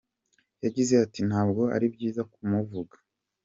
yagize ati, Ntabwo ari byiza kumuvuga.